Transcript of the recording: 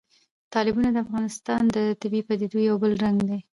تالابونه د افغانستان د طبیعي پدیدو یو بل رنګ دی.